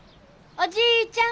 おじいちゃん。